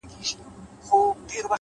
خپل هدفونه لوړ وساتئ!